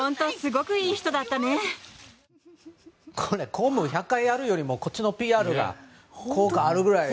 公務１００回やるよりもこっちのＰＲのほうが効果あるぐらいの。